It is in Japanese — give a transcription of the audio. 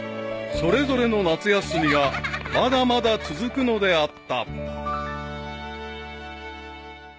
［それぞれの夏休みがまだまだ続くのであった］